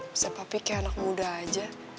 bisa tapi kayak anak muda aja